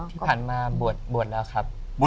ที่ผ่านมาบวชแล้วครับ